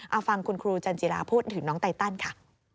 เอาฟังคุณครูจันจิราพูดถึงน้องไตตันค่ะ